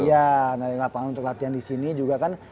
iya narik lapangan untuk latihan disini juga kan